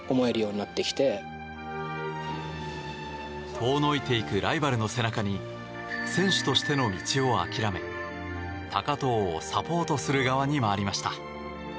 遠のいていくライバルの背中に選手としての道を諦め高藤をサポートする側に回りました。